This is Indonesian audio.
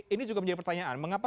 ini juga menjadi pertanyaan mengapa